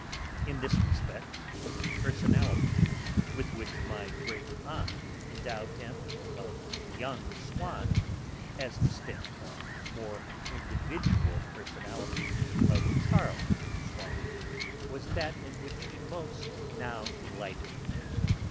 In this respect the personality, with which my great aunt endowed him, of 'young Swann,' as distinct from the more individual personality of Charles Swann, was that in which he now most delighted.